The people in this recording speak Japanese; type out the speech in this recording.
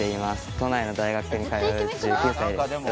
都内の大学に通う１９歳です